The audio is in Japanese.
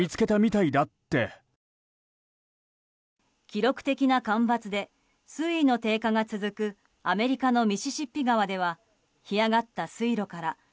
記録的な干ばつで水位の低下が続くアメリカのミシシッピ川では干上がった水路から